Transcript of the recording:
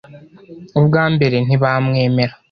Ubwa mbere, ntibamwemera.